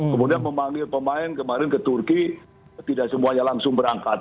kemudian memanggil pemain kemarin ke turki tidak semuanya langsung berangkat